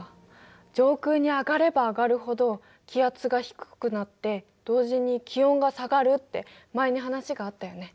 上空に上がれば上がるほど気圧が低くなって同時に気温が下がるって前に話があったよね。